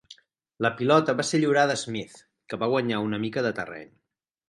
La pilota va ser lliurada a Smith, que va guanyar una mica de terreny.